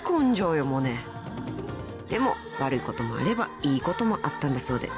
［でも悪いこともあればいいこともあったんだそうで］